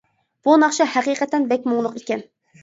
بۇ ناخشا ھەقىقەتەن بەك مۇڭلۇق ئىكەن.